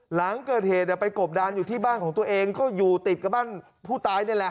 หลังเกิดเหตุไปกบดานอยู่ที่บ้านของตัวเองก็อยู่ติดกับบ้านผู้ตายนี่แหละ